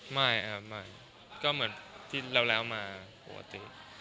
ไม่ครับไม่ก็เหมือนที่แล้วมาปกติ